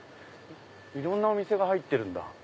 いろんなお店が入ってるんだ。